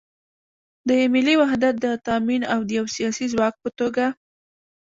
د ملي وحدت د تامین او د یو سیاسي ځواک په توګه